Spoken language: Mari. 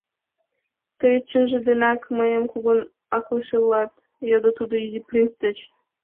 — Тый чынже денак мыйым кугун аклыше улат? — йодо тудо Изи принц деч.